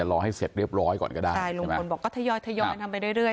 รอให้เสร็จเรียบร้อยก่อนก็ได้ใช่ลุงพลบอกก็ทยอยทยอยทำไปเรื่อย